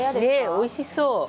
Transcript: おいしそう。